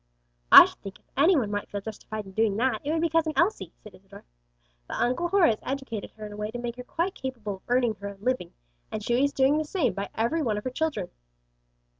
"I should think if any one might feel justified in doing that it would be Cousin Elsie," said Isadore; "but Uncle Horace educated her in a way to make her quite capable of earning her own living, and she is doing the same by every one of her children."